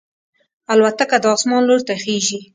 الوتکه د اسمان لور ته خېژي.